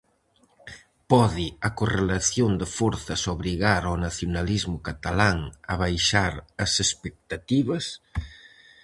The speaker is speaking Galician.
Pode a correlación de forzas obrigar ao nacionalismo catalán a baixar as expectativas?